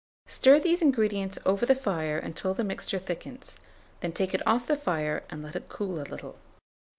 Stir these ingredients over the fire until the mixture thickens; then take it off the fire, and let it cool a little.